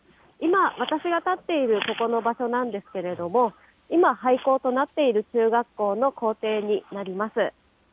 今、私が立っている、ここの場所なんですけれども、今、廃校となっている中学校の校庭になります。